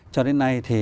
cho đến nay thì